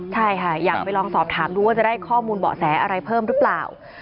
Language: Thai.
ใช่ค่ะอยากไปลองสอบถามดูว่าจะได้ข้อมูลเบาะแสอะไรเพิ่มหรือเปล่า